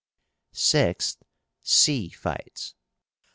6th, sea fights.